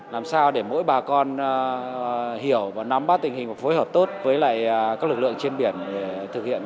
làm sao để mỗi bà con hiểu và nắm bắt tình hình và phối hợp tốt với các lực lượng trên biển để thực hiện